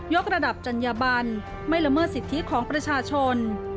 กระดับจัญญบันไม่ละเมิดสิทธิของประชาชน